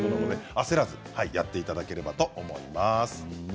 焦らずやっていただければと思います。